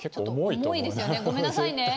重いですよねごめんなさいね。